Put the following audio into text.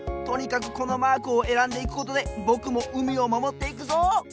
とにかくこのマークをえらんでいくことでぼくも海をまもっていくぞ！